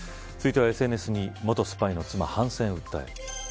続いてはＳＮＳ２位元スパイの妻、反戦を訴え。